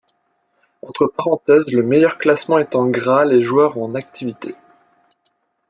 Entre parenthèses le meilleur classement et en gras les joueurs en activité.